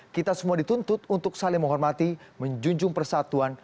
kita semua dituntut untuk saling menghormati menjunjung persatuan